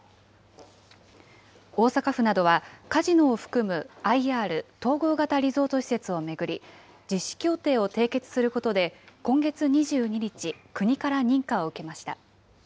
大阪府などはカジノを含むＩＲ・統合型リゾート施設を巡り、実施協定を締結することで今月２２日、国から認可を受けました。